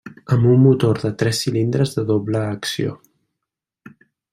Amb un motor de tres cilindres de doble acció.